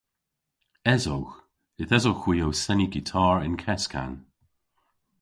Esowgh. Yth esowgh hwi ow seni gitar y'n keskan.